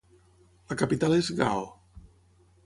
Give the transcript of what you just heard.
La capital és Gao.